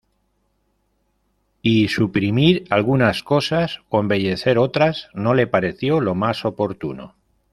Y suprimir algunas cosas o embellecer otras no le pareció lo más oportuno.